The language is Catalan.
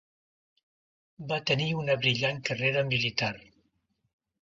Va tenir una brillant carrera militar.